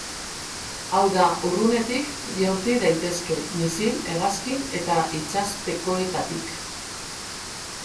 Hau da, urrunetik jaurti daitezke, misil, hegazkin eta itsaspekoetatik.